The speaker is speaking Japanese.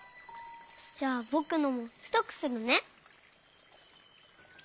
じゃあぼくのもふとくするね。